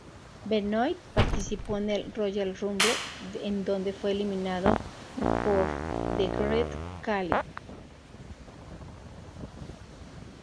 Benoit participó en el "Royal Rumble", en donde fue eliminado por The Great Khali.